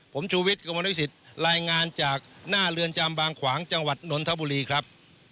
ผมชูวิตกรมนุษยศิษฐ์รายงานจากหน้าเรือนจามบางขวางจังหวัดนนทบุรีครับ